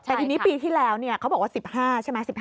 แต่ทีนี้ปีที่แล้วเขาบอกว่า๑๕ใช่ไหม